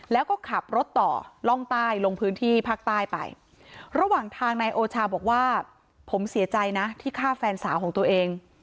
แล้วก็ขับรถต่อล่องใต้ลงพื้นที่ภาคใต้ไประหว่างทางนายโอชาบอกว่าผมเสียใจนะที่ฆ่าแฟนสาวของตัวเอง